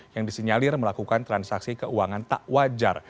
yang disinyalir melakukan transaksi keuangan tak wajar